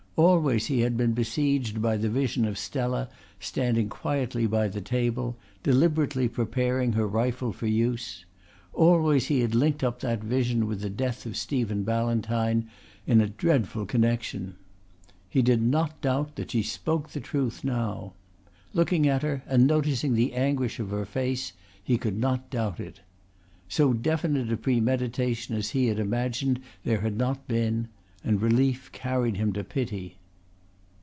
Always he had been besieged by the vision of Stella standing quietly by the table, deliberately preparing her rifle for use, always he had linked up that vision with the death of Stephen Ballantyne in a dreadful connection. He did not doubt that she spoke the truth now. Looking at her and noticing the anguish of her face, he could not doubt it. So definite a premeditation as he had imagined there had not been, and relief carried him to pity.